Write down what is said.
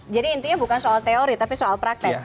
jadi intinya bukan soal teori tapi soal praktek